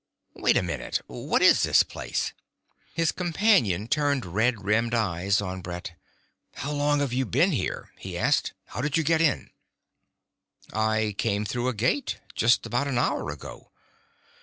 "Wait a minute! What is this place?!" His companion turned red rimmed eyes on Brett. "How long have you been here?" he asked. "How did you get in?" "I came through a gate. Just about an hour ago."